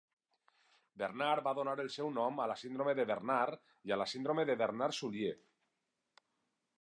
Bernard va donar el seu nom a la síndrome de Bernard i a la síndrome de Bernard-Soulier.